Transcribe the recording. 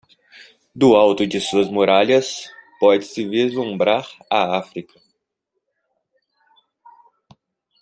Do alto de suas muralhas, pode-se vislumbrar a África.